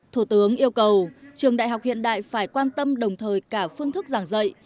thủ tướng yêu cầu trường đại học hiện đại phải quan tâm đồng thời cả phương thức giảng dạy